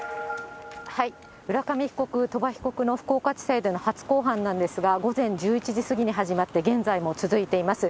浦上被告、鳥羽被告の福岡地裁での初公判なんですが、午前１１時過ぎに始まって、現在も続いています。